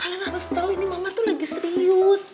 kalian harus tau ini mama tuh lagi serius